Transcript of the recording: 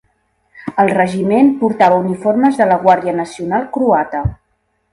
El regiment portava uniformes de la Guàrdia Nacional Croata.